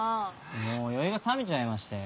もう酔いがさめちゃいましたよ。